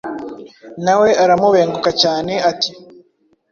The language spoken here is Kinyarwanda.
na we aramubenguka cyane; ati «